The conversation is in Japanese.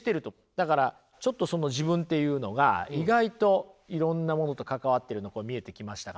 だからちょっとその自分っていうのが意外といろんなものと関わっているの見えてきましたかね。